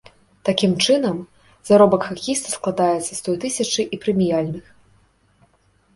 Такім чынам, заробак хакеіста складаецца з той тысячы і прэміяльных.